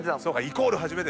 イコール初めて。